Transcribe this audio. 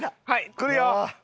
来るよ。